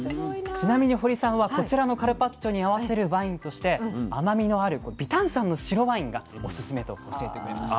ちなみに堀さんはこちらのカルパッチョに合わせるワインとして甘みのある微炭酸の白ワインがおすすめと教えてくれました。